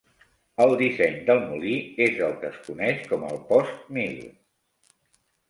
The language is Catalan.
El disseny del molí és el que es coneix com el "post mill".